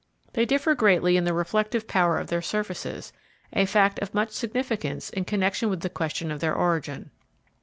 They differ greatly in the reflective power of their surfaces, a fact of much significance in connection with the question of their origin.